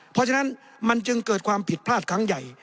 เพราะฉะนั้นมันจึงเกิดความผิดพลาดครั้งใหญ่